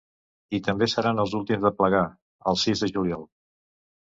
I també seran els últims de plegar: el sis de juliol.